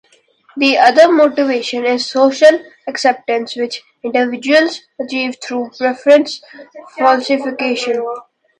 The other motivation is social acceptance, which individuals achieve through preference falsification.